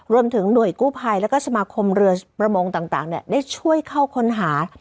รวมถึงหน่วยกู้ภัยแล้วก็สมาคมเรือประมงต่างได้ช่วยเข้าค้นหา